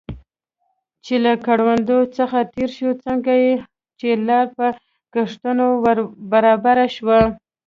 چې له کروندو څخه تېر شو، څنګه چې لار په کښتونو ور برابره شوه.